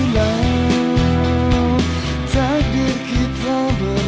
lo mau jadi mantu mak